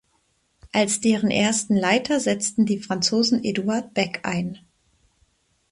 Als deren ersten Leiter setzten die Franzosen Eduard Beck ein.